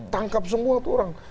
tangkap semua tuh orang